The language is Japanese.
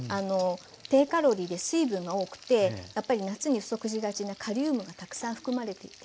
低カロリーで水分が多くてやっぱり夏に不足しがちなカリウムがたくさん含まれていて。